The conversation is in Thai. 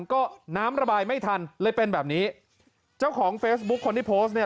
ก็น้ำระบายไม่ทันเลยเป็นแบบนี้เจ้าของเฟซบุ๊คคนที่โพสต์เนี่ย